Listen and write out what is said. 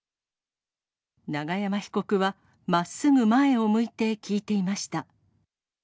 永山被告は、まっすぐ前を向いて聞いていました。